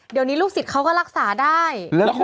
เดี๋ยวนี้ลูกศิษย์เขาก็รักษาได้